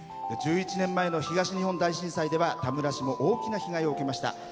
１１年前の東日本大震災では田村市も大きな被害を受けました。